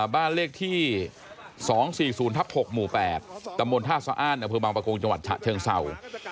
บ้านเลขที่๒๔๐ทับ๖หมู่๘ตำบลท่าสะอ้านอำเภอบางประกงจังหวัดฉะเชิงเศร้า